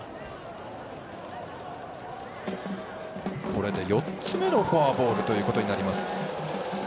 これで４つ目のフォアボールとなります。